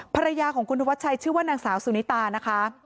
ภรรยาของคุณธวัชชัยชื่อว่านางสาวสุนิตานะคะ